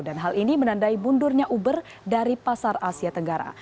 dan hal ini menandai bundurnya uber dari pasar asia tenggara